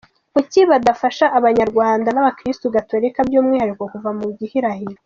Kuki badafasha Abanyarwanda n’abakristu gatolika by’umwihariko kuva mu gihirahiro?